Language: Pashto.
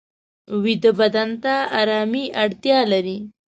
ویده بدن ته آرامي اړتیا لري